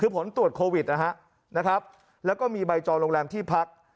คือผลตรวจโควิดนะครับแล้วก็มีใบจองโรงแรมที่พัก